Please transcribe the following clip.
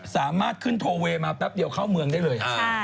สามารถขึ้นโทเวย์มาแป๊บเดียวเข้าเมืองได้เลย